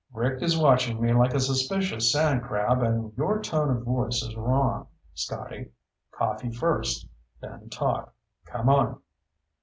"Rick is watching me like a suspicious sand crab and your tone of voice is wrong, Scotty. Coffee first, then talk. Come on."